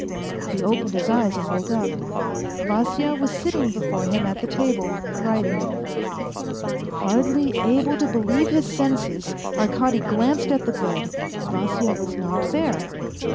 He opened his eyes and woke up; Vasya was sitting before him at the table, writing. Hardly able to believe his senses, Arkady glanced at the bed ; Vasya was not there.